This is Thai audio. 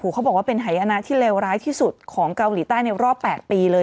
เขาบอกว่าเป็นหายนะที่เลวร้ายที่สุดของเกาหลีใต้ในรอบ๘ปีเลย